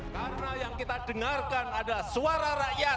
karena yang kita dengarkan ada suara rakyat